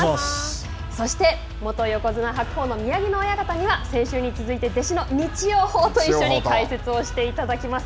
そして元横綱・白鵬の宮城野親方には先週に続いて弟子の日曜鵬と一緒に解説をしていただきます。